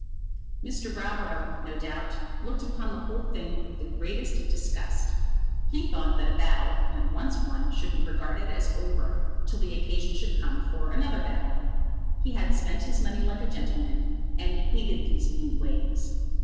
Mr. Browborough, no doubt, looked upon the whole thing with the greatest disgust. He thought that a battle when once won should be regarded as over till the occasion should come for another battle. He had spent his money like a gentleman, and hated these mean ways.